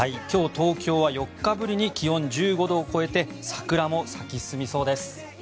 今日、東京は４日ぶりに気温１５度を超えて桜も咲き進みそうです。